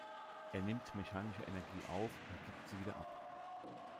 Er nimmt mechanische Energie auf und gibt sie wieder ab.